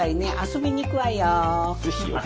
遊びに行くわよ。